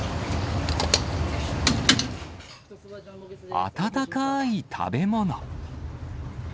温かい食べ物。